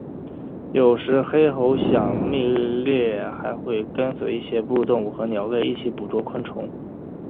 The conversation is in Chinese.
有时黑喉响蜜䴕还会跟随一些哺乳动物和鸟类一同捕捉昆虫。